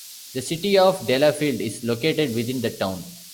The City of Delafield is located within the town.